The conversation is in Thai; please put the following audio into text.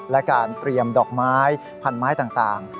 และการเตรียมดอกไม้พันไม้ต่าง